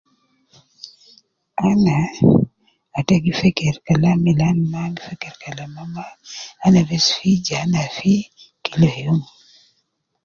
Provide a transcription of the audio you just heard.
Ana ata gi feker Kalam Milan maa an gi feker Kalama maa ana bes fi Jana fi Kila youm.